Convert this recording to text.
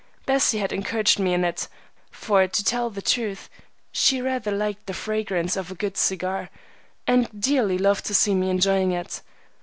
Bessie had encouraged me in it, for to tell the truth she rather liked the fragrance of a good cigar, and dearly loved to see me enjoying it.